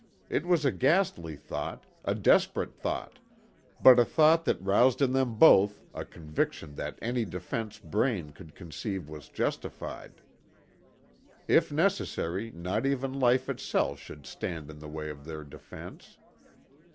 It was a ghastly thought, a desperate thought, but a thought that roused in them both a conviction that any defense brain could conceive was justified. If necessary not even life itself should stand in the way of their defense.